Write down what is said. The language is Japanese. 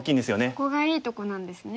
そこがいいとこなんですね。